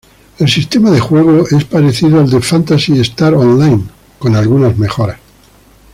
El sistema de juego es parecido al de "Phantasy Star Online" con algunas mejoras.